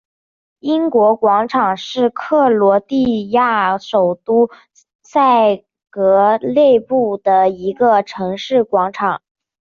英国广场是克罗地亚首都萨格勒布的一个城市广场。